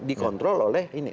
dikontrol oleh ini